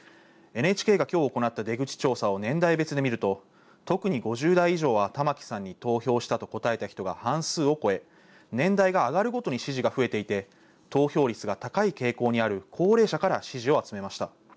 ＮＨＫがきょう行った出口調査を年代別で見ると特に５０代以上は玉城さんに投票したと答えた人が半数を超え、年代が上がることに指示が増えていて投票率が高い傾向にある高齢者から支持を集めました。